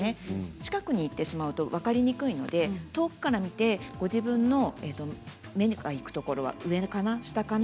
近くに行ってしまうと分かりにくいので遠くから見て、ご自分の目が行くところは上かな？